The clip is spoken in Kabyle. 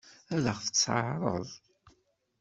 Ad ɣ-tt-teɛṛeḍ?